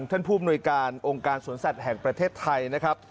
ท่านผู้บริการองค์การสนสัตว์แห่งประเทศไทย